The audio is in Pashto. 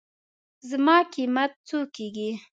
زما قېمت څو کېږي.